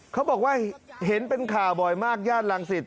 เขาบอกว่าเห็นเป็นข่าวบ่อยมากย่านรังสิต